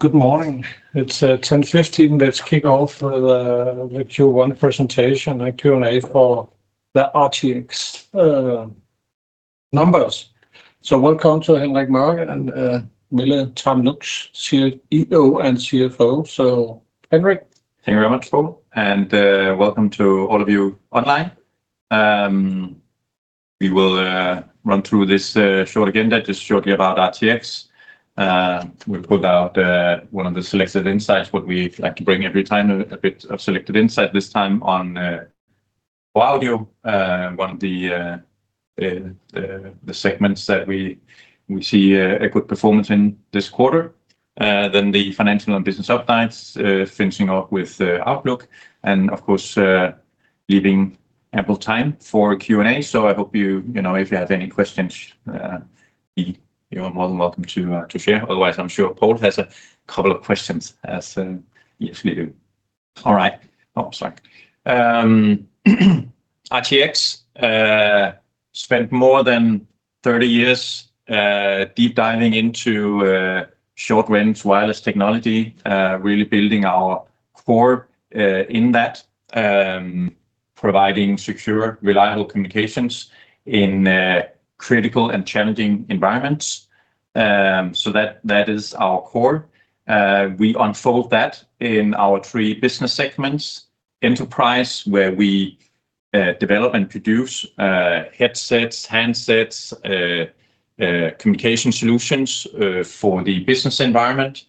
Good morning. It's 10:15 A.M. Let's kick off the Q1 presentation and Q&A for the RTX numbers. Welcome to Peter Røpke and Mille Tram Lux, CEO and CFO. So, Peter. Thank you very much, Paul, and welcome to all of you online. We will run through this short agenda, just shortly about RTX. We'll put out one of the selected insights, what we like to bring every time, a bit of selected insight, this time on ProAudio, one of the segments that we see a good performance in this quarter. Then the financial and business updates, finishing off with the outlook and, of course, leaving ample time for Q&A. So I hope you... You know, if you have any questions, you are more than welcome to share. Otherwise, I'm sure Paul has a couple of questions, as he usually do. All right. Oh, sorry. RTX spent more than 30 years deep diving into short-range wireless technology really building our core in that providing secure, reliable communications in critical and challenging environments. So that is our core. We unfold that in our three business segments: Enterprise, where we develop and produce headsets, handsets communication solutions for the business environment.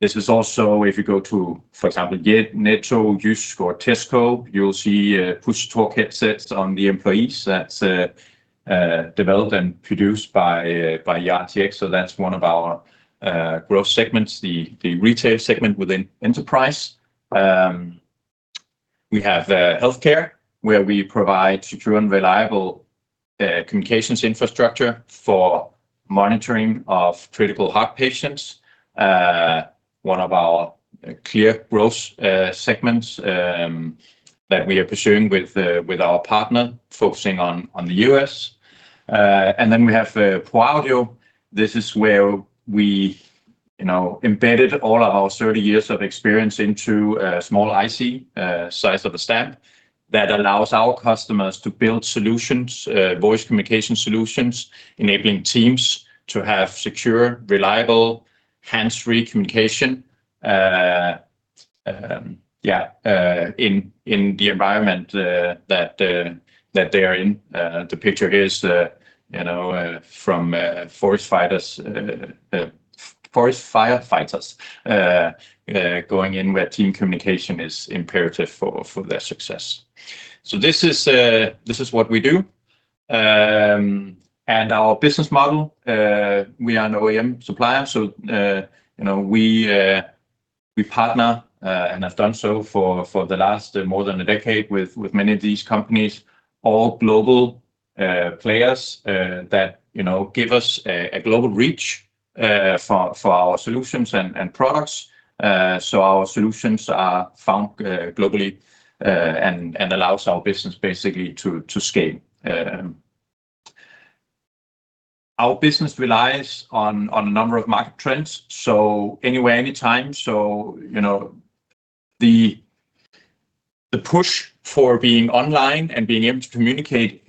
This is also if you go to, for example, Netto, JYSK or Tesco, you'll see push-to-talk headsets on the employees. That's developed and produced by RTX, so that's one of our growth segments, the retail segment within Enterprise. We have Healthcare, where we provide secure and reliable communications infrastructure for monitoring of critical heart patients. One of our clear growth segments that we are pursuing with our partner, focusing on the U.S. And then we have ProAudio. This is where we, you know, embedded all of our 30 years of experience into a small IC, size of a stamp, that allows our customers to build solutions, voice communication solutions, enabling teams to have secure, reliable, hands-free communication. In the environment that they are in. The picture is, you know, from forest firefighters going in where team communication is imperative for their success. So this is what we do. And our business model, we are an OEM supplier, so, you know, we partner and have done so for the last more than a decade with many of these companies, all global players that, you know, give us a global reach for our solutions and products. So our solutions are found globally and allows our business basically to scale. Our business relies on a number of market trends, so anywhere, anytime, you know, the push for being online and being able to communicate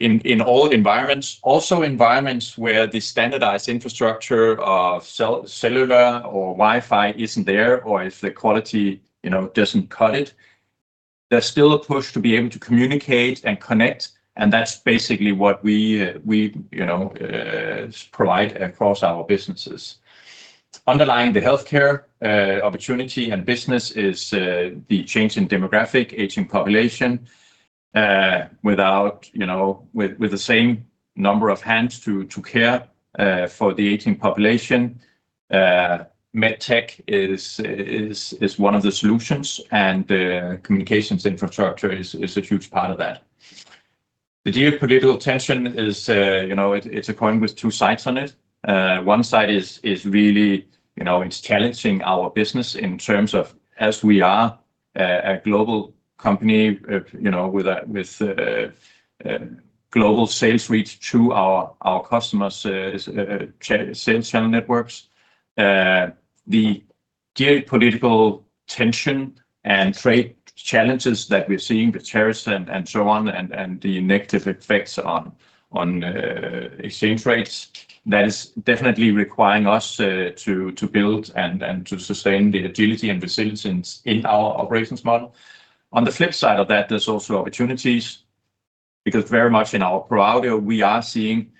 in all environments, also environments where the standardized infrastructure of cellular or Wi-Fi isn't there, or if the quality, you know, doesn't cut it, there's still a push to be able to communicate and connect, and that's basically what we, you know, provide across our businesses. Underlying the healthcare opportunity and business is the change in demographic, aging population, without, you know, with the same number of hands to care for the aging population. MedTech is one of the solutions, and communications infrastructure is a huge part of that. The geopolitical tension is, you know, it's a coin with two sides on it. One side is, is really, you know, it's challenging our business in terms of, as we are a, a global company, you know, with a, with, global sales reach to our, our customers, sales channel networks. The geopolitical tension and trade challenges that we're seeing, the tariffs and, and so on, and, and the negative effects on, on, exchange rates, that is definitely requiring us, to, to build and, and to sustain the agility and resilience in our operations model. On the flip side of that, there's also opportunities, because very much in our ProAudio, we are seeing,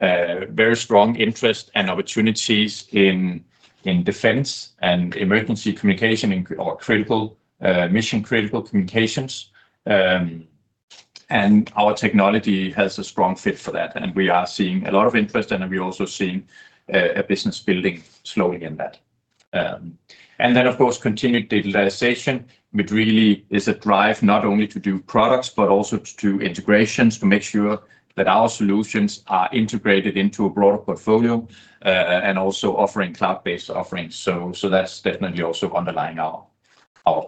very strong interest and opportunities in, in defense and emergency communication, or critical, mission-critical communications. Our technology has a strong fit for that, and we are seeing a lot of interest, and we're also seeing a business building slowly in that. Then, of course, continued digitalization, which really is a drive not only to do products but also to do integrations to make sure that our solutions are integrated into a broader portfolio, and also offering cloud-based offerings. So that's definitely also underlying our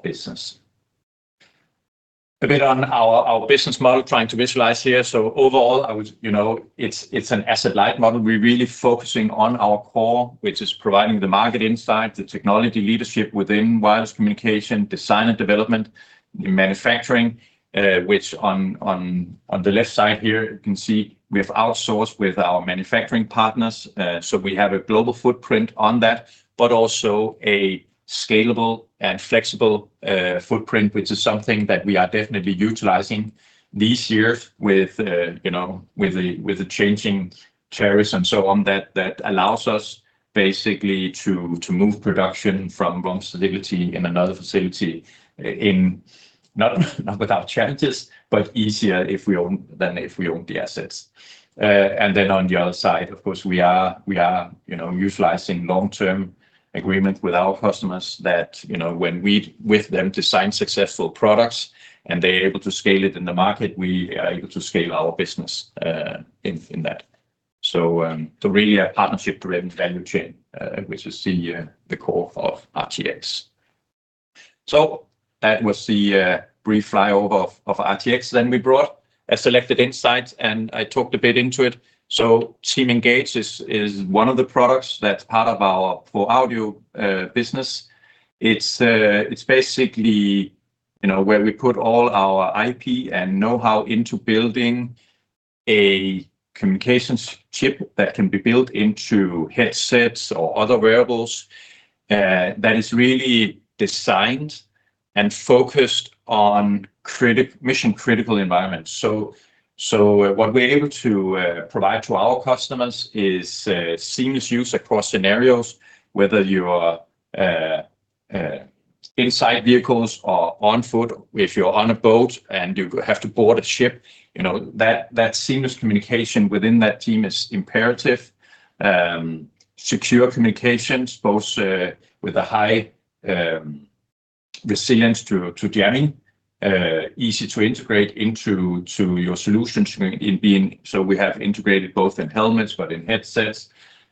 business. A bit on our business model, trying to visualize here. So overall, I would, you know, it's an asset-light model. We're really focusing on our core, which is providing the market insight, the technology leadership within wireless communication, design and development, manufacturing, which on the left side here, you can see we have outsourced with our manufacturing partners. So we have a global footprint on that, but also a scalable and flexible footprint, which is something that we are definitely utilizing these years with, you know, with the changing tariffs and so on, that allows us basically to move production from one facility in another facility not without challenges, but easier if we own than if we own the assets. And then on the other side, of course, we are, you know, utilizing long-term agreements with our customers that, you know, when we with them design successful products and they're able to scale it in the market, we are able to scale our business in that. So really a partnership-driven value chain, which is the core of RTX. So that was the brief flyover of RTX. Then we brought a selected insight, and I talked a bit into it. So TeamEngage is one of the products that's part of our ProAudio business. It's basically, you know, where we put all our IP and know-how into building a communications chip that can be built into headsets or other wearables that is really designed and focused on mission-critical environments. So what we're able to provide to our customers is seamless use across scenarios, whether you are inside vehicles or on foot. If you're on a boat, and you have to board a ship, you know that seamless communication within that team is imperative. Secure communications, both with a high resilience to jamming, easy to integrate into your solution in being... So we have integrated both in helmets but in headsets.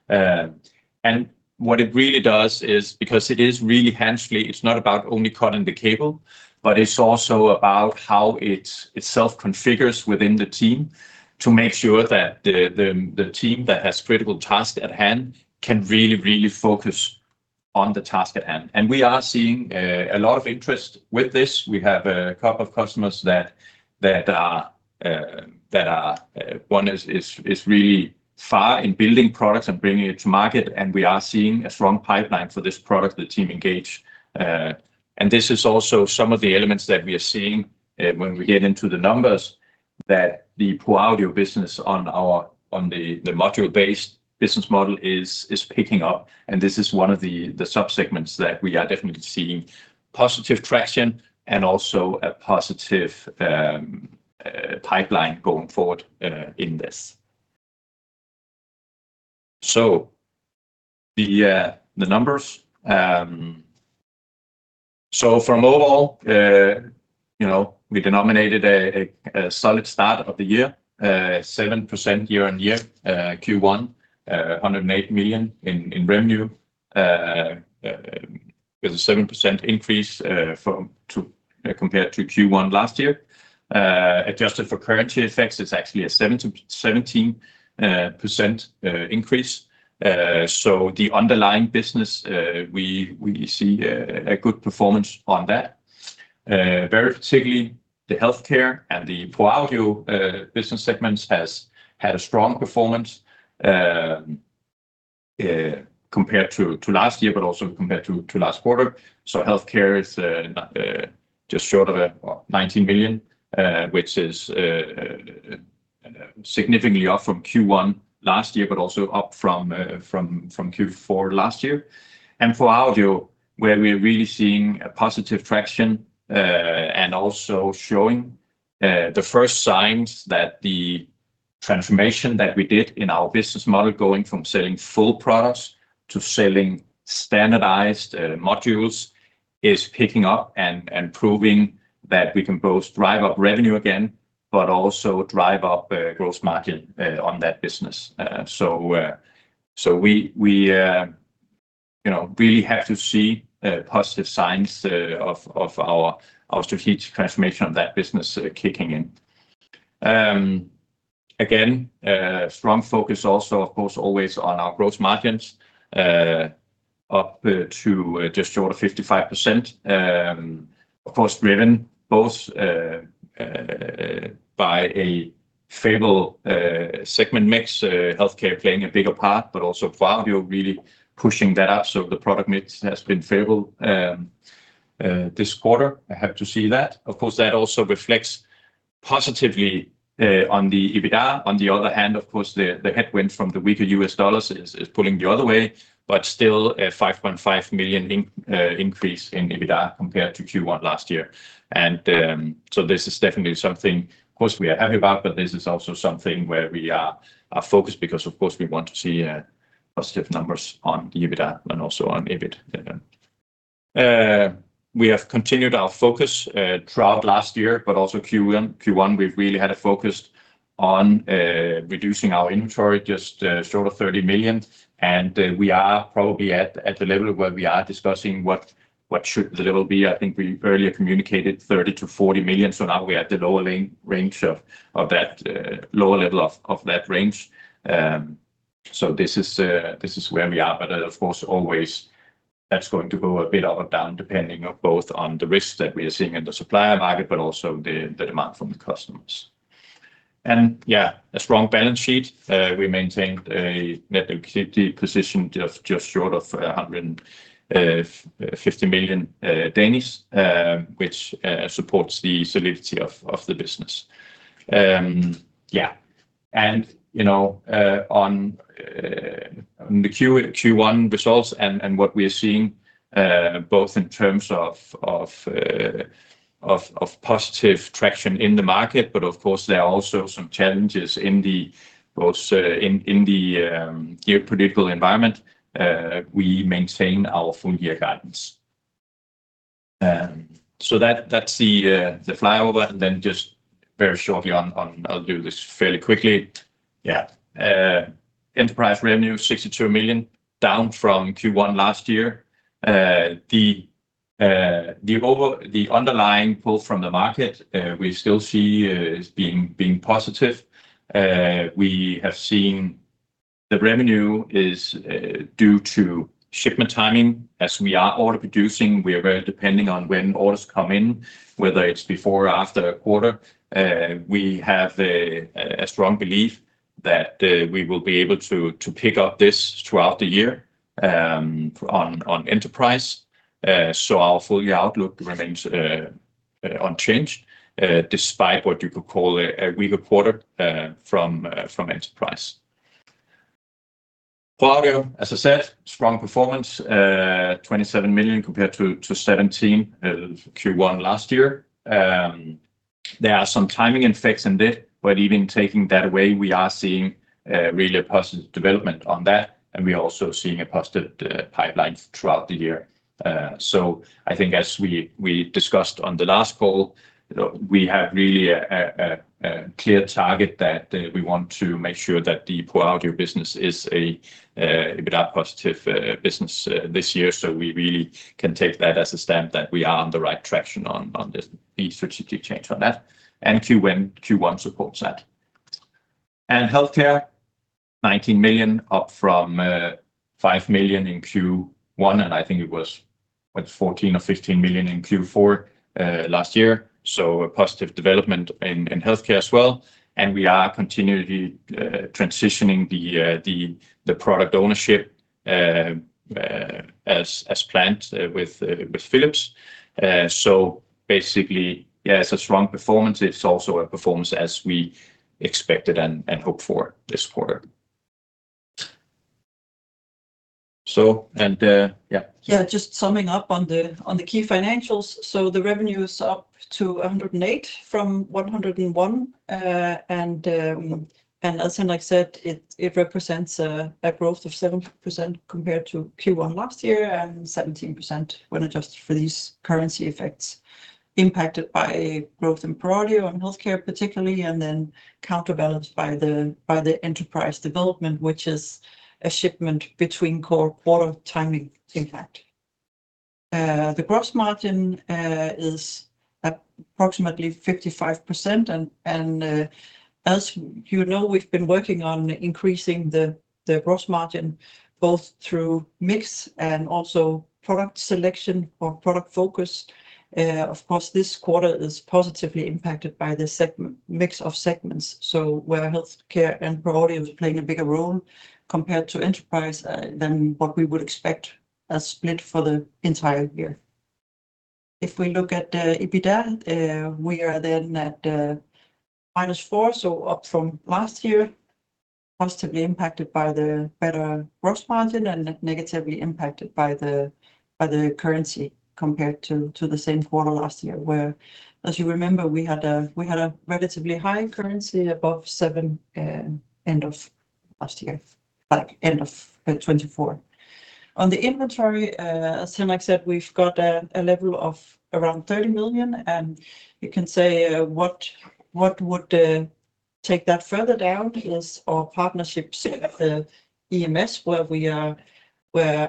And what it really does is because it is really hands-free, it's not about only cutting the cable, but it's also about how it itself configures within the team to make sure that the team that has critical tasks at hand can really, really focus on the task at hand. And we are seeing a lot of interest with this. We have a couple of customers that are. One is really far in building products and bringing it to market, and we are seeing a strong pipeline for this product, the TeamEngage. And this is also some of the elements that we are seeing when we get into the numbers, that the ProAudio business on the module-based business model is picking up, and this is one of the subsegments that we are definitely seeing positive traction and also a positive pipeline going forward in this. So the numbers. So from overall, you know, we delivered a solid start of the year, 7% year-on-year. Q1, 108 million in revenue, with a 7% increase compared to Q1 last year. Adjusted for currency effects, it's actually a 7%-17% increase. So the underlying business, we see a good performance on that. Very particularly the Healthcare and the ProAudio business segments has had a strong performance, compared to last year, but also compared to last quarter. So Healthcare is just short of 19 million, which is significantly up from Q1 last year, but also up from Q4 last year. And ProAudio, where we're really seeing a positive traction, and also showing the first signs that the transformation that we did in our business model, going from selling full products to selling standardized modules, is picking up and proving that we can both drive up revenue again, but also drive up gross margin on that business. So we you know really have to see positive signs of our strategic transformation of that business kicking in. Again, strong focus also, of course, always on our gross margins, up to just short of 55%. Of course, driven both by a favorable segment mix, healthcare playing a bigger part, but also ProAudio really pushing that up. So the product mix has been favorable this quarter. I have to see that. Of course, that also reflects positively on the EBITDA. On the other hand, of course, the headwind from the weaker U.S. dollars is pulling the other way, but still a 5.5 million increase in EBITDA compared to Q1 last year. This is definitely something, of course, we are happy about, but this is also something where we are focused because of course we want to see positive numbers on the EBITDA and also on EBIT. We have continued our focus throughout last year, but also Q1. Q1, we've really had a focus on reducing our inventory just short of 30 million, and we are probably at the level where we are discussing what the level should be. I think we earlier communicated 30 million-40 million, so now we're at the lower end-range of that lower level of that range. So this is where we are, but of course, always that's going to go a bit up or down, depending on both on the risks that we are seeing in the supplier market, but also the demand from the customers. And yeah, a strong balance sheet. We maintained a net liquidity position just short of 150 million, which supports the solidity of the business. Yeah, and you know, on the Q1 results and what we are seeing, both in terms of positive traction in the market, but of course, there are also some challenges in the geopolitical environment. We maintain our full year guidance. So that's the flyover. Then just very shortly on, I'll do this fairly quickly. Enterprise revenue, 62 million, down from Q1 last year. The underlying pull from the market, we still see as being positive. We have seen the revenue is due to shipment timing. As we are order producing, we are very depending on when orders come in, whether it's before or after a quarter. We have a strong belief that we will be able to pick up this throughout the year, on Enterprise. So our full year outlook remains unchanged, despite what you could call a weaker quarter, from Enterprise. ProAudio, as I said, strong performance, 27 million compared to 17, Q1 last year. There are some timing effects in it, but even taking that away, we are seeing really a positive development on that, and we are also seeing a positive pipeline throughout the year. So I think as we discussed on the last call, you know, we have really a clear target that we want to make sure that the ProAudio business is a EBITDA positive business this year. So we really can take that as a stamp that we are on the right traction on this, the strategic change on that, and Q1 supports that. And Healthcare, 19 million, up from 5 million in Q1, and I think it was, what? 14 million or 15 million in Q4 last year. So a positive development in healthcare as well, and we are continually transitioning the product ownership as planned with Philips. So basically, yeah, it's a strong performance. It's also a performance as we expected and hoped for this quarter. So, yeah. Yeah, just summing up on the key financials. So the revenue is up to 108 from 101. And as Peter said, it represents a growth of 7% compared to Q1 last year, and 17% when adjusted for these currency effects, impacted by growth in ProAudio and Healthcare particularly, and then counterbalanced by the Enterprise development, which is a shipment between core quarter timing impact. The gross margin is approximately 55%, and as you know, we've been working on increasing the gross margin, both through mix and also product selection or product focus. Of course, this quarter is positively impacted by the segment mix of segments, so where Healthcare and ProAudio is playing a bigger role compared to Enterprise, than what we would expect a split for the entire year. If we look at the EBITDA, we are then at minus 4, so up from last year, positively impacted by the better gross margin and negatively impacted by the, by the currency compared to, to the same quarter last year, where, as you remember, we had a, we had a relatively high currency above seven end of last year, like end of 2024. On the inventory, as Henrik said, we've got a level of around 30 million, and you can say what would take that further down is our partnerships with the EMS, where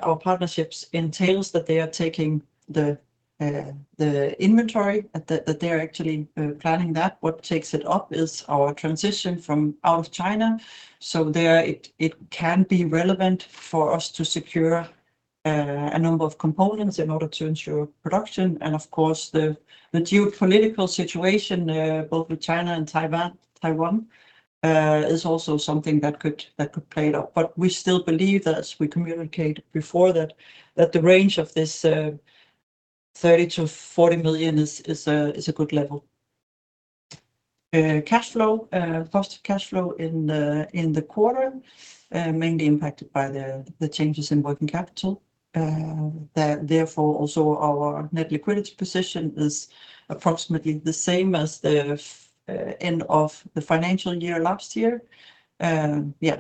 our partnerships entails that they are taking the inventory, that they're actually planning that. What takes it up is our transition from out of China, so it can be relevant for us to secure a number of components in order to ensure production. And of course, the geopolitical situation both with China and Taiwan is also something that could play it out. But we still believe that as we communicate before that, that the range of this 30-40 million is a good level. Cash flow, positive cash flow in the quarter, mainly impacted by the changes in working capital. Therefore, also our net liquidity position is approximately the same as the end of the financial year last year.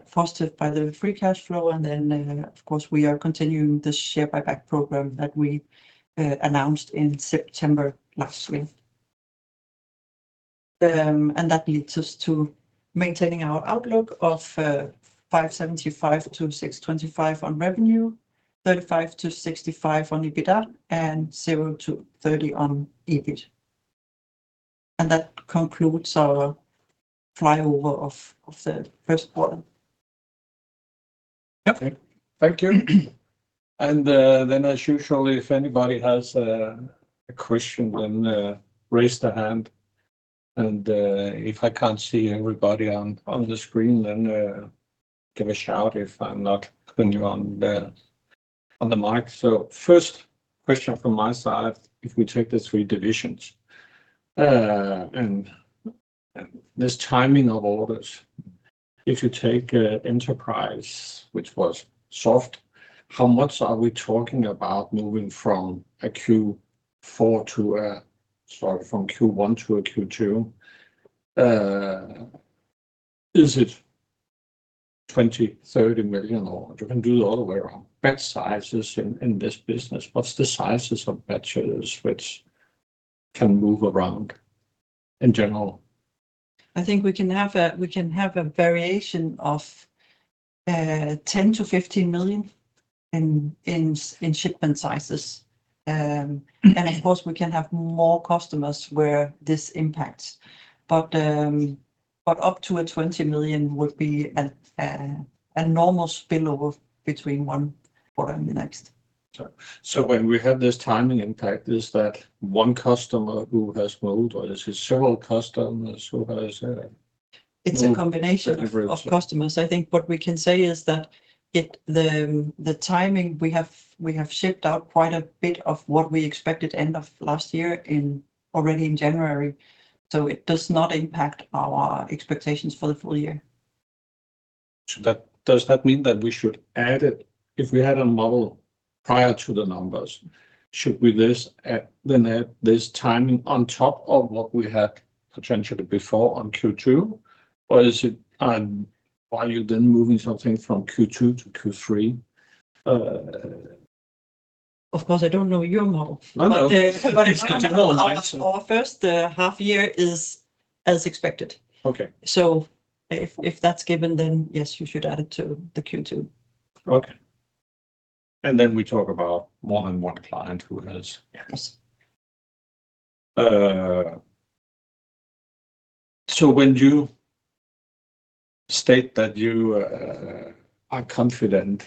Fostered by the free cash flow, and then, of course, we are continuing the share buyback program that we announced in September last year.... And that leads us to maintaining our outlook of 575-625 on revenue, 35-65 on EBITDA, and 0-30 on EBIT. That concludes our flyover of the Q1. Yeah. Okay. Thank you. And then as usual, if anybody has a question, then raise their hand, and if I can't see everybody on the screen, then give a shout if I'm not putting you on the mic. So first question from my side, if we take the three divisions, and this timing of orders, if you take Enterprise, which was soft, how much are we talking about moving from a Q4 to a—sorry, from Q1 to a Q2? Is it 20 million, 30 million, or you can do it all the way around? Batch sizes in this business, what's the sizes of batches which can move around in general? I think we can have a variation of 10-15 million in shipment sizes. Mm-hmm. And of course, we can have more customers where this impacts. But, but up to 20 million would be a normal spillover between one quarter and the next. So when we have this timing impact, is that one customer who has moved, or is it several customers who has moved? It's a combination- Everything... of customers. I think what we can say is that it, the timing we have, we have shipped out quite a bit of what we expected end of last year in already in January. So it does not impact our expectations for the full year. So that, does that mean that we should add it? If we had a model prior to the numbers, should we this, then add this timing on top of what we had potentially before on Q2? Or is it on... Are you then moving something from Q2 to Q3? Of course, I don't know your model. I know. But it's- Normal life... our first, the half year is as expected. Okay. So if, if that's given, then yes, you should add it to the Q2. Okay. And then we talk about more than one client who has- Yes. So when you state that you are confident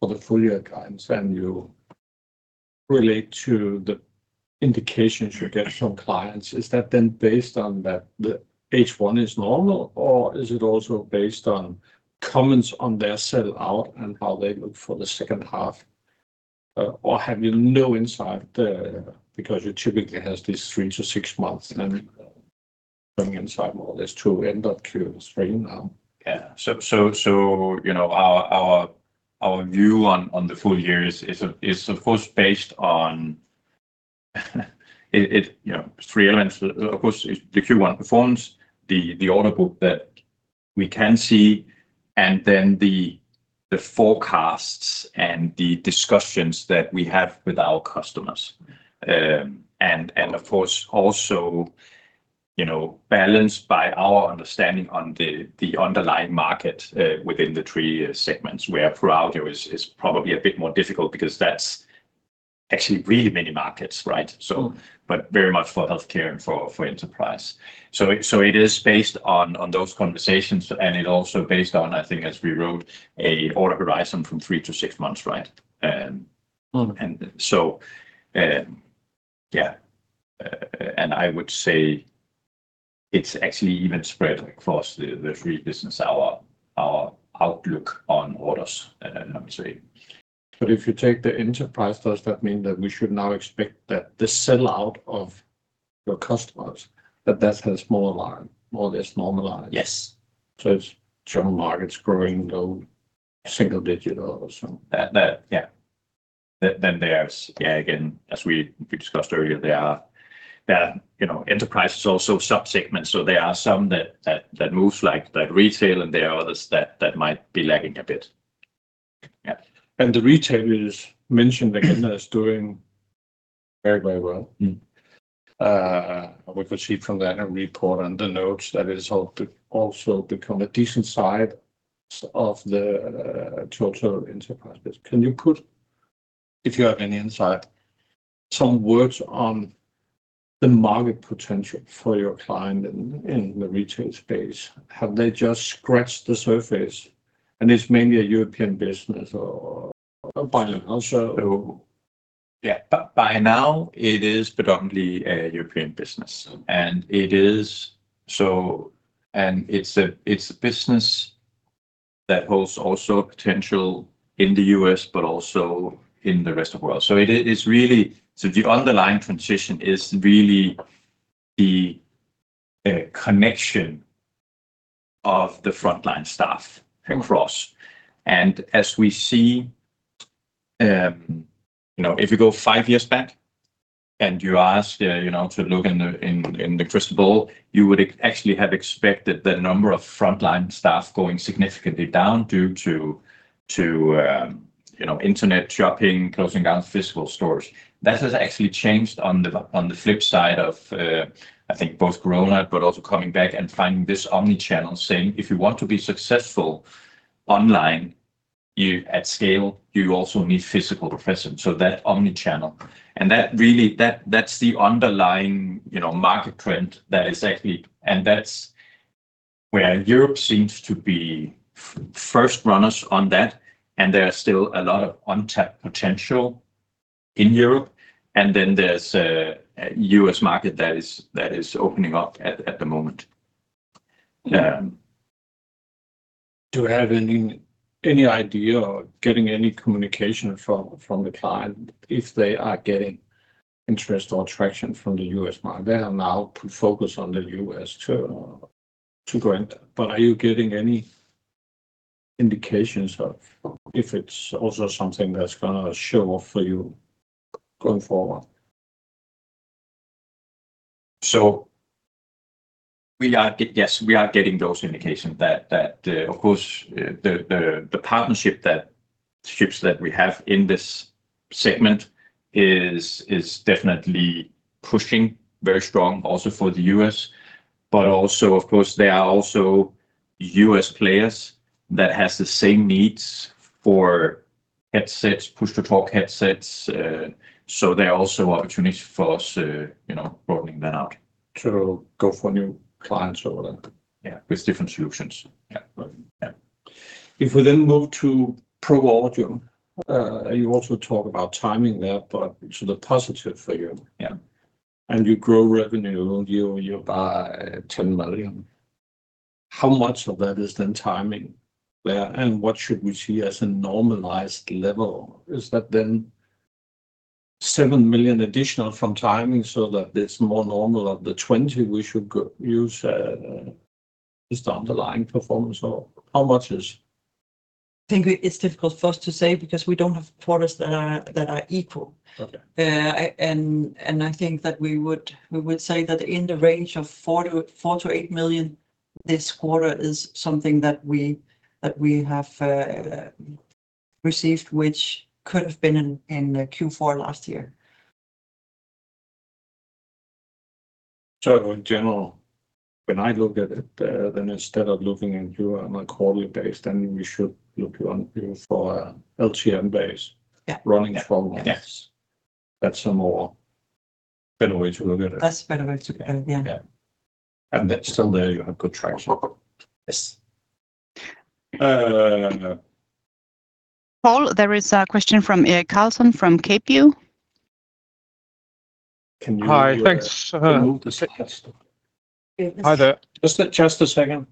for the full year guidance, and you relate to the indications you get from clients, is that then based on that the H1 is normal, or is it also based on comments on their sell-out and how they look for the second half? Or have you no insight, because you typically has this three to six months then- Mm... coming inside more or less to end of Q3 now? Yeah. So, you know, our view on the full year is, of course, based on, you know, three elements. Of course, the Q1 performance, the order book that we can see, and then the forecasts and the discussions that we have with our customers. And of course, also, you know, balanced by our understanding on the underlying market within the three segments, where ProAudio is probably a bit more difficult because that's actually really many markets, right? Mm. But very much for Healthcare and for Enterprise. So it is based on those conversations, and it is also based on, I think, as we wrote, an order horizon from three to six months, right? And I would say it's actually even spread across the three businesses, our outlook on orders, let me say. If you take the Enterprise, does that mean that we should now expect that the sell-out of your customers, that that's a smaller line, more or less normalized? Yes. The general market is growing, though, single digit or so. Yeah. Then there's, yeah, again, as we discussed earlier, there are, you know, Enterprise is also sub-segments, so there are some that moves like that Retail, and there are others that might be lagging a bit. Yeah. The retail is mentioned again, is doing very, very well. Mm. We could see from the annual report and the notes that it has also become a decent size of the total Enterprise business. Can you put, if you have any insight, some words on the market potential for your client in the retail space? Have they just scratched the surface, and it's mainly a European business or by also- Yeah. By now, it is predominantly a European business. Mm. It is, so—and it's a, it's a business that holds also potential in the U.S., but also in the rest of the world. So it is really—so the underlying transition is really the connection of the frontline staff across. Mm. And as we see, you know, if you go five years back, and you ask, you know, to look in the, in, in the crystal ball, you would actually have expected the number of frontline staff going significantly down due to, to, you know, internet shopping, closing down physical stores. That has actually changed on the, on the flip side of, I think both Corona, but also coming back and finding this omni-channel, saying, "If you want to be successful online, you at scale, you also need physical presence." So that omni-channel. And that really, that, that's the underlying, you know, market trend that is actually. And that's where Europe seems to be first runners on that, and there are still a lot of untapped potential in Europe. And then there's a U.S. market that is, that is opening up at, at the moment. Um- Do you have any idea or getting any communication from the client if they are getting interest or traction from the U.S. market? They have now put focus on the U.S. to go into, but are you getting any indications of if it's also something that's gonna show off for you going forward? So yes, we are getting those indications that, of course, the partnerships that we have in this segment is definitely pushing very strong also for the U.S. But also, of course, there are also U.S. players that has the same needs for headsets, push-to-talk headsets. So there are also opportunities for us to, you know, broadening that out. To go for new clients or whatever? Yeah, with different solutions. Yeah. Yeah. If we then move to ProAudio, you also talk about timing there, but to the positive for you. Yeah. You grow revenue by 10 million. How much of that is then timing there, and what should we see as a normalized level? Is that then 7 million additional from timing so that it's more normal of the 20 million we should go use, just the underlying performance, or how much is- I think it's difficult for us to say, because we don't have quarters that are equal. Okay. And I think that we would, we would say that in the range of 4 million-8 million this quarter is something that we, that we have received, which could have been in Q4 last year. In general, when I look at it, then instead of looking into a, like, quarterly base, then we should look on for a LTM base- Yeah... running performance. Yes. That's a more better way to look at it. That's a better way to go, yeah. Yeah. That's still there, you have good traction? Yes. Uh- Paul, there is a question from Erik Carlsen from Kapital Partner. Can you- Hi, thanks. Remove the second- Hi there. Just a second.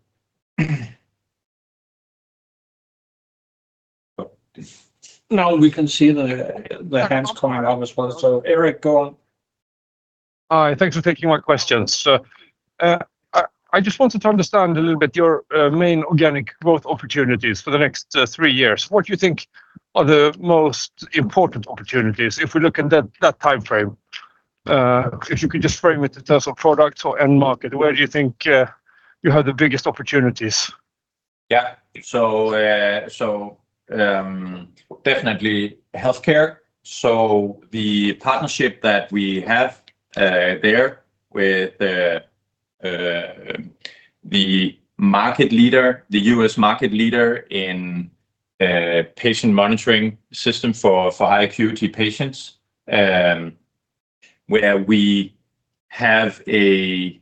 Now we can see the hands coming up as well. So, Erik, go on. Hi, thanks for taking my questions. So, I just wanted to understand a little bit your main organic growth opportunities for the next three years. What do you think are the most important opportunities if we look at that timeframe? If you could just frame it in terms of products or end market, where do you think you have the biggest opportunities? Yeah. So, definitely Healthcare. So the partnership that we have there with the market leader, the U.S. market leader in patient monitoring system for high acuity patients, where we have a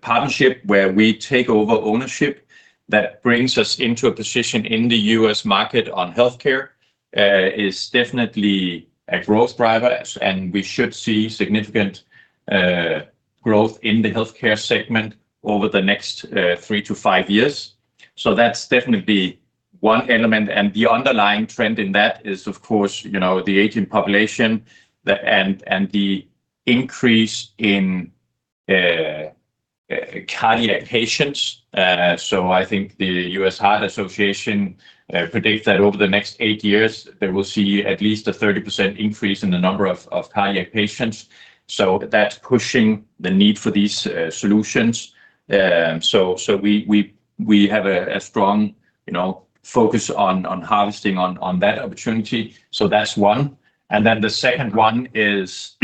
partnership where we take over ownership, that brings us into a position in the U.S. market on Healthcare, is definitely a growth driver, and we should see significant growth in the Healthcare segment over the next three to five years. So that's definitely one element, and the underlying trend in that is, of course, you know, the aging population, and the increase in cardiac patients. So I think the American Heart Association predicts that over the next eight years, they will see at least a 30% increase in the number of cardiac patients. So that's pushing the need for these solutions. So we have a strong, you know, focus on harvesting that opportunity. So that's one. And then the second one is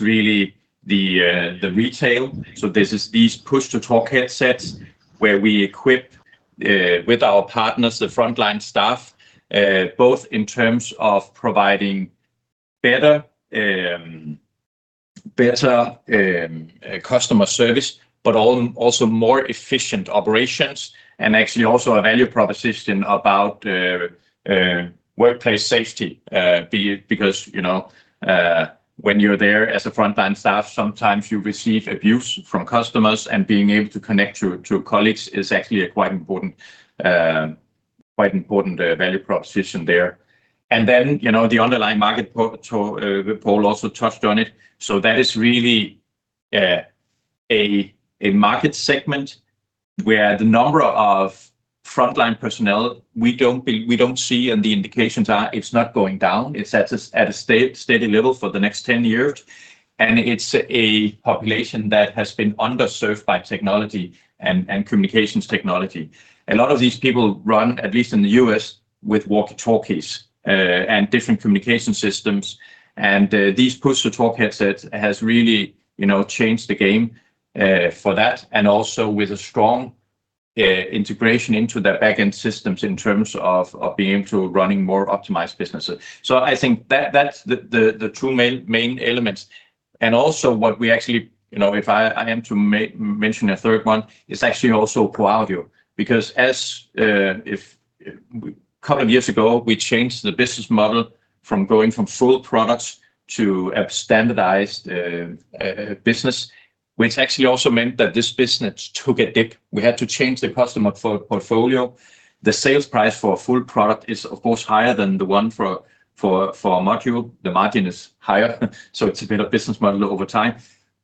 really the retail. So this is these push-to-talk headsets, where we equip with our partners the frontline staff, both in terms of providing better customer service, but also more efficient operations, and actually also a value proposition about workplace safety. Because, you know, when you're there as a frontline staff, sometimes you receive abuse from customers, and being able to connect to colleagues is actually a quite important value proposition there. And then, you know, the underlying market Paul also touched on it. So that is really a market segment where the number of frontline personnel, we don't see, and the indications are it's not going down. It's at a steady level for the next 10 years, and it's a population that has been underserved by technology and communications technology. A lot of these people run, at least in the U.S., with walkie-talkies and different communication systems. And these push-to-talk headsets has really, you know, changed the game for that, and also with a strong integration into their back-end systems in terms of being able to running more optimized businesses. So I think that's the two main elements. And also what we actually. You know, if I am to mention a third one, it's actually also ProAudio. Because, as if a couple of years ago, we changed the business model from full products to a standardized business, which actually also meant that this business took a dip. We had to change the customer portfolio. The sales price for a full product is, of course, higher than the one for a module. The margin is higher, so it's a better business model over time.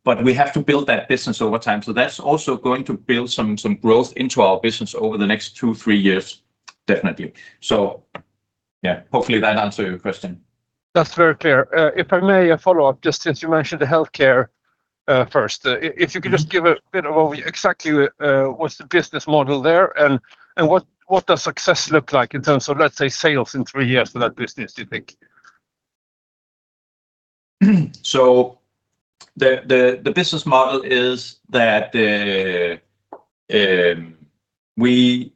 But we have to build that business over time, so that's also going to build some growth into our business over the next two, three years, definitely. So yeah, hopefully that answer your question. That's very clear. If I may a follow-up, just since you mentioned the healthcare, first, if you could just give a bit of overview, exactly, what's the business model there, and, and what, what does success look like in terms of, let's say, sales in three years for that business, do you think? So the business model is that we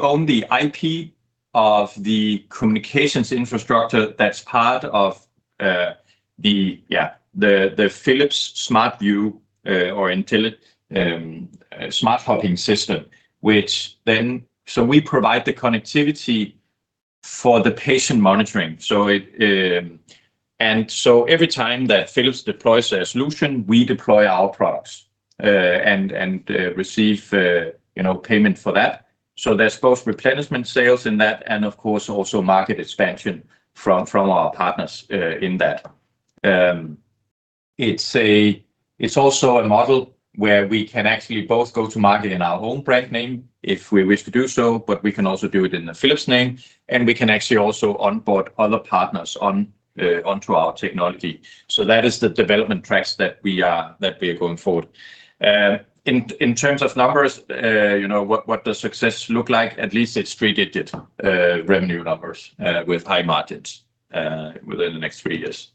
own the IP of the communications infrastructure that's part of the Philips SmartView or IntelliVue SmartHub system, which then... So we provide the connectivity for the patient monitoring. So it and so every time that Philips deploys a solution, we deploy our products and receive you know payment for that. So there's both replenishment sales in that and, of course, also market expansion from our partners in that. It's also a model where we can actually both go to market in our own brand name, if we wish to do so, but we can also do it in the Philips name, and we can actually also onboard other partners onto our technology. So that is the development tracks that we are going forward. In terms of numbers, you know, what does success look like? At least it's three-digit revenue numbers with high margins within the next three years.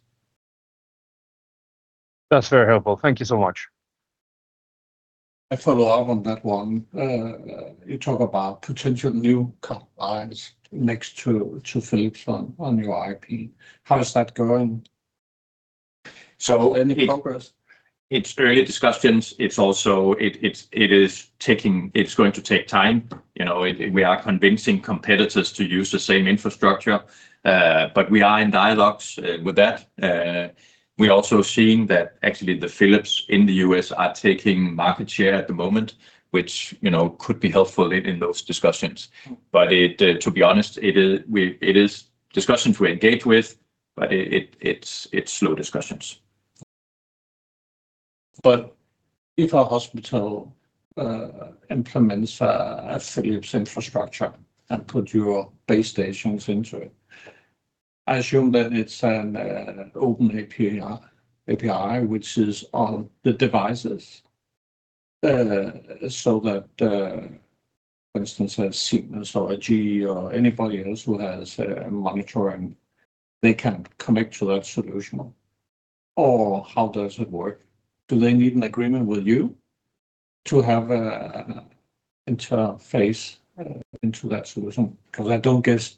That's very helpful. Thank you so much. I follow up on that one. You talk about potential new clients next to Philips on your IP. How is that going? So- Any progress? ... It's early discussions. It's also, it's going to take time. You know, we are convincing competitors to use the same infrastructure, but we are in dialogues with that. We're also seeing that actually the Philips in the U.S. are taking market share at the moment, which, you know, could be helpful in those discussions. But to be honest, it is discussions we engage with, but it's slow discussions. But if a hospital implements a Philips infrastructure and put your base stations into it, I assume that it's an open API which is on the devices, so that for instance a Siemens or a GE or anybody else who has a monitoring, they can connect to that solution, or how does it work? Do they need an agreement with you to have a interface into that solution? Because I don't guess...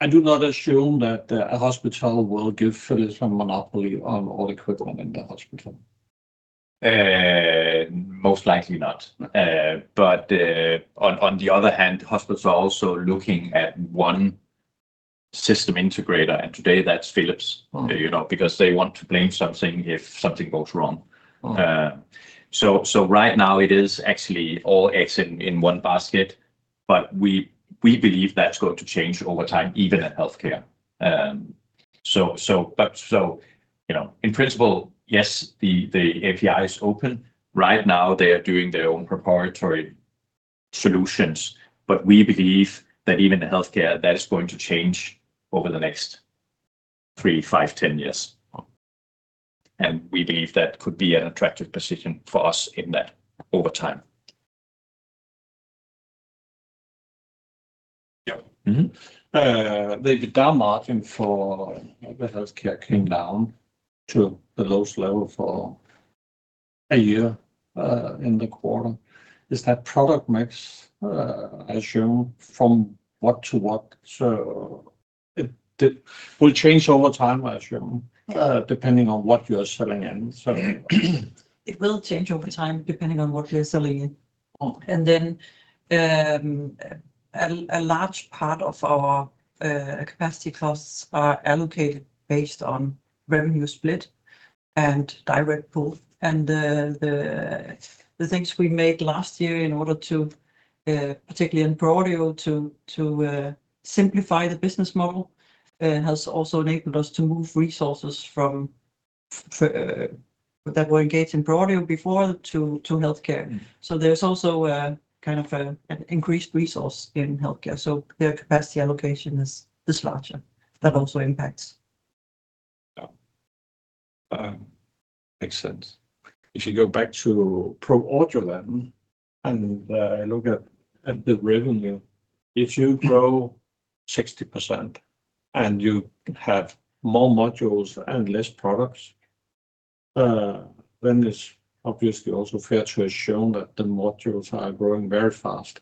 I do not assume that a hospital will give Philips a monopoly on all equipment in the hospital. Most likely not. But, on the other hand, hospitals are also looking at one system integrator, and today that's Philips- Mm. You know, because they want to blame something if something goes wrong. Mm. Right now it is actually all eggs in one basket, but we believe that's going to change over time, even in healthcare. You know, in principle, yes, the API is open. Right now, they are doing their own proprietary solutions, but we believe that even in healthcare, that is going to change over the next three, five, 10 years. Mm. We believe that could be an attractive position for us in that over time. Yeah. Mm-hmm. The gross margin for the Healthcare came down to the lowest level for a year, in the quarter. Is that product mix assumed from what to what? So it will change over time, I assume, depending on what you are selling and so on. It will change over time, depending on what we are selling. Mm. And then, a large part of our capacity costs are allocated based on revenue split and direct pool. And the things we made last year in order to particularly in ProAudio to simplify the business model has also enabled us to move resources that were engaged in ProAudio before to Healthcare. So there's also a kind of an increased resource in Healthcare, so their capacity allocation is larger. That also impacts. Yeah. Makes sense. If you go back to ProAudio then, and look at the revenue, if you grow 60% and you have more modules and less products, then it's obviously also fair to assume that the modules are growing very fast.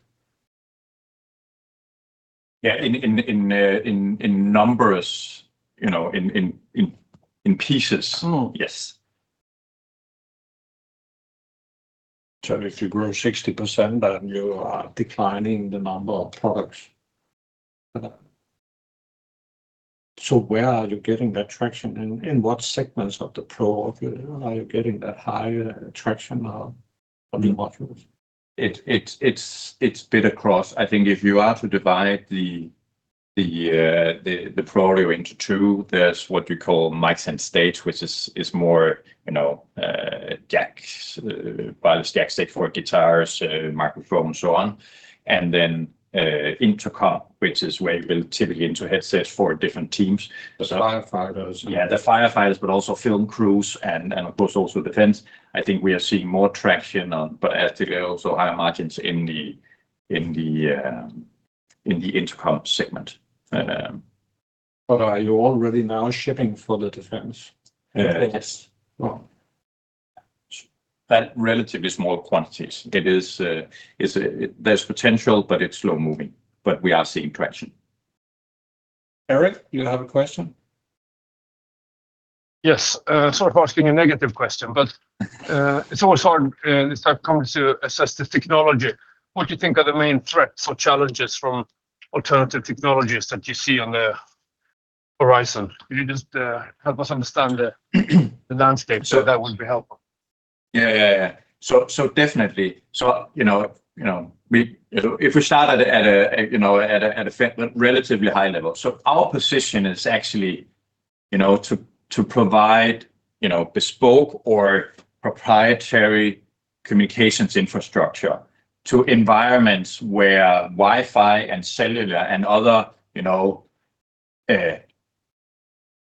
Yeah, in numbers, you know, in pieces- Mm. Yes. So if you grow 60%, then you are declining the number of products. So where are you getting that traction, and in what segments of the ProAudio are you getting that higher traction of the modules? It's a bit across. I think if you are to divide the ProAudio into two, there's what we call mics and stage, which is more, you know, jacks, wireless jack stick for guitars, microphone, and so on. And then, intercom, which is where you build typically into headsets for different teams. So- The firefighters. Yeah, the firefighters, but also film crews and of course also defense. I think we are seeing more traction on, but actually there are also higher margins in the intercom segment. Are you already now shipping for the defense? Yeah. Yes. Oh. That relatively small quantities. It is, it's, there's potential, but it's slow moving. But we are seeing traction. Erik, you have a question? Yes. Sorry for asking a negative question, but it's always hard when it comes to assess the technology. What do you think are the main threats or challenges from alternative technologies that you see on the horizon? Can you just help us understand the landscape? So that would be helpful. Yeah, yeah. So definitely. So, you know, if we start at a relatively high level. So our position is actually, you know, to provide bespoke or proprietary communications infrastructure to environments where Wi-Fi and cellular and other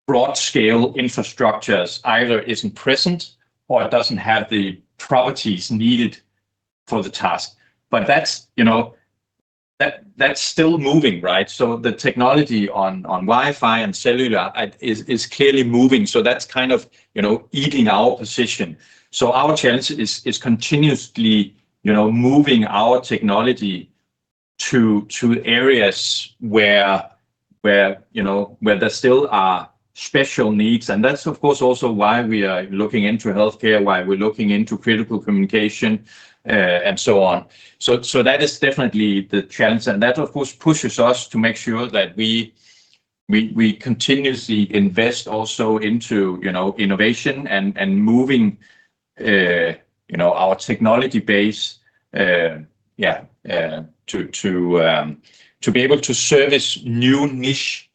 broad scale infrastructures either isn't present or it doesn't have the properties needed for the task. But that's still moving, right? So the technology on Wi-Fi and cellular is clearly moving. So that's kind of, you know, eating our position. So our challenge is continuously, you know, moving our technology to areas where there still are special needs. And that's, of course, also why we are looking into healthcare, why we're looking into critical communication, and so on. So that is definitely the challenge, and that, of course, pushes us to make sure that we continuously invest also into, you know, innovation and moving, you know, our technology base to be able to service new niche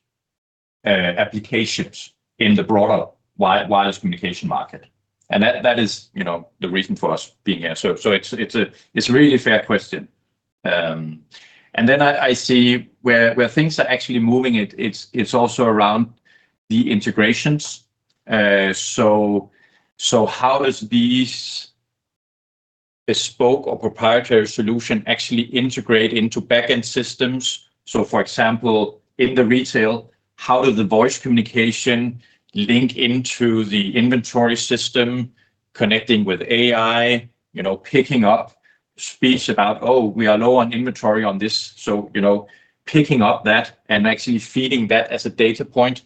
applications in the broader wireless communication market. And that is, you know, the reason for us being here. So it's a really fair question. And then I see where things are actually moving, it's also around the integrations. So how is these bespoke or proprietary solution actually integrate into back-end systems? So for example, in the retail, how does the voice communication link into the inventory system, connecting with AI, you know, picking up speech about, "Oh, we are low on inventory on this"? You know, picking up that and actually feeding that as a data point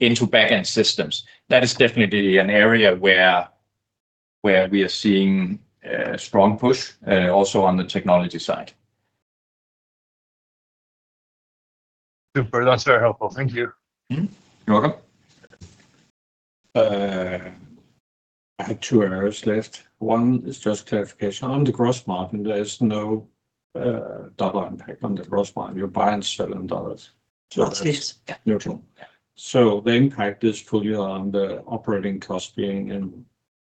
into back-end systems. That is definitely an area where we are seeing strong push also on the technology side. Super. That's very helpful. Thank you. Mm-hmm. You're welcome. I have two areas left. One is just clarification. On the gross margin, there is no dollar impact on the gross margin. You're buying $7. Not least, yeah. Neutral. Yeah. The impact is fully on the operating cost being in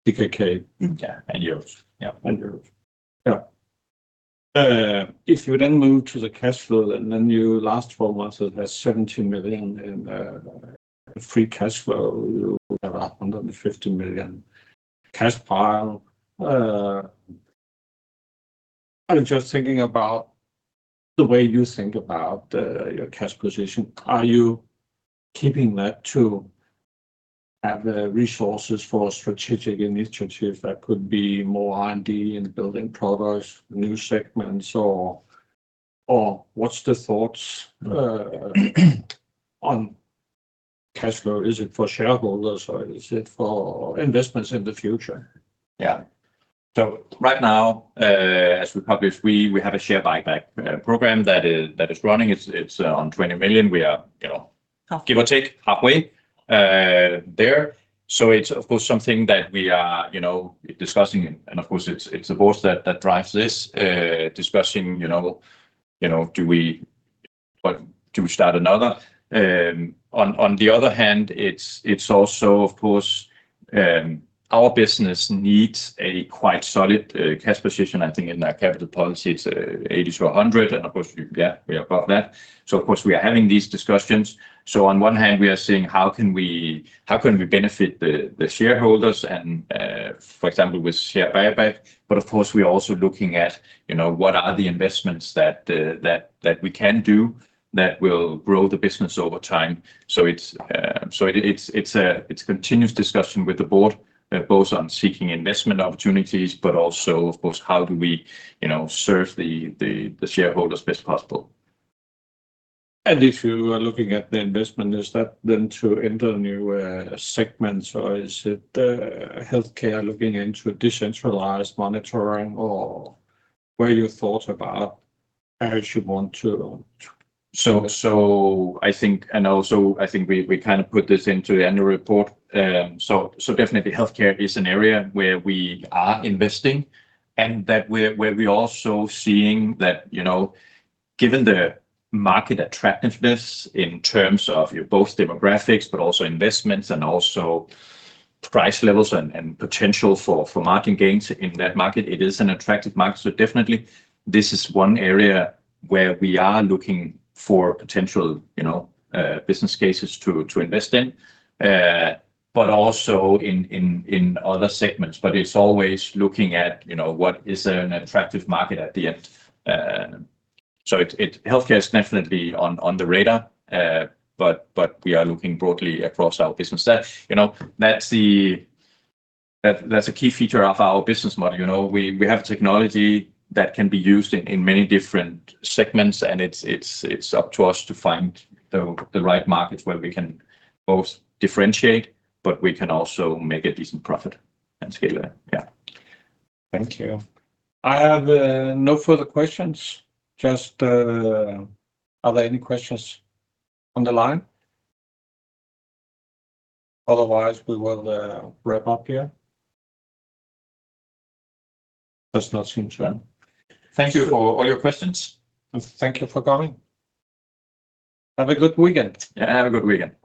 DKK. Yeah. And euros. Yeah, and euros. Yeah. If you then move to the cash flow, and then you last four months have had 17 million in free cash flow, you have a 150 million cash pile. I'm just thinking about the way you think about your cash position. Are you keeping that to have the resources for strategic initiative that could be more R&D in building products, new segments, or, or what's the thoughts on cash flow? Is it for shareholders, or is it for investments in the future? Yeah. So right now, as we published, we have a share buyback program that is running. It's on 20 million. We are, you know- Half... give or take, halfway there. So it's, of course, something that we are, you know, discussing. And of course, it's the board that drives this discussing, you know, but do we start another? On the other hand, it's also, of course, our business needs a quite solid cash position. I think in our capital policy, it's 80-100, and of course, yeah, we are above that. So of course, we are having these discussions. So on one hand, we are saying, "How can we benefit the shareholders and, for example, with share buyback?" But of course, we are also looking at, you know, what are the investments that we can do that will grow the business over time? So it's a continuous discussion with the board, both on seeking investment opportunities, but also, of course, how do we, you know, serve the shareholders best possible? If you are looking at the investment, is that then to enter a new segment, or is it healthcare looking into decentralized monitoring, or where you thought about how you want to, to- I think and also, I think we kind of put this into the annual report. So definitely Healthcare is an area where we are investing, and that's where we're also seeing that, you know, given the market attractiveness in terms of both demographics, but also investments and also price levels and potential for margin gains in that market, it is an attractive market. So definitely, this is one area where we are looking for potential, you know, business cases to invest in, but also in other segments. But it's always looking at, you know, what is an attractive market at the end. So Healthcare is definitely on the radar, but we are looking broadly across our business. That, you know, that's the... That's a key feature of our business model, you know? We have technology that can be used in many different segments, and it's up to us to find the right markets where we can both differentiate, but we can also make a decent profit and scale it. Yeah. Thank you. I have no further questions. Just, are there any questions on the line? Otherwise, we will wrap up here. Doesn't seem too well. Thank you for all your questions, and thank you for coming. Have a good weekend. Yeah, have a good weekend.